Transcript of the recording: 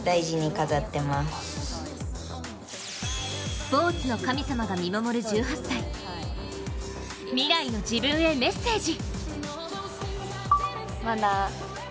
スポーツの神様が見守る１８歳未来の自分へメッセージ。